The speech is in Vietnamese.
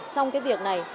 trong cái việc này